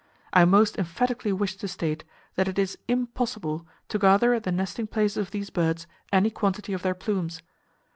I most emphatically wish to state that it is impossible to gather at the nesting places of these birds any quantity of their plumes.